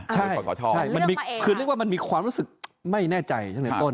ใช่ขอสชคือเรียกว่ามันมีความรู้สึกไม่แน่ใจใช่ไหมต้น